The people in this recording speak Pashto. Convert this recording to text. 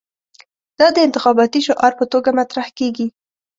دا د انتخاباتي شعار په توګه مطرح کېږي.